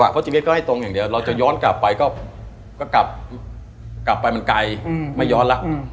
เพราะจริงก็ให้ตรงอย่างเดียวเราจะย้อนกลับไปก็กลับไปมันไกลไม่ย้อนแล้ว